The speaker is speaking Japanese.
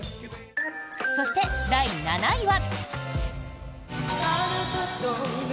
そして、第７位は。